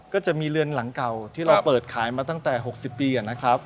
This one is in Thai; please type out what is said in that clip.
ก็จะมีเรือนหลังเก่าครับที่เราเปิดขายมาตั้งแต่หกสิบปีอ่ะนะครับ